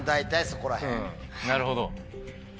なるほど。